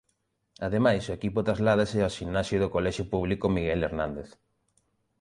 Ademais o equipo trasládase ao ximnasio do Colexio Público Miguel Hernández.